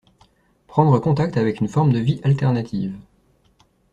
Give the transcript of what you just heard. Prendre contact avec une forme de vie alternative.